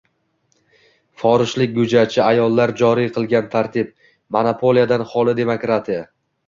Forishlik go‘jachi ayollar joriy qilgan tartib: monopoliyadan xoli demokratiya